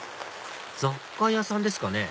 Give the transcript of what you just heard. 雑貨屋さんですかね？